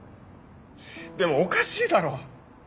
でもおかしいだろ！